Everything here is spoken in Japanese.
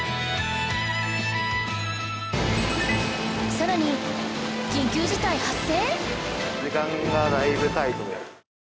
さらに緊急事態発生！？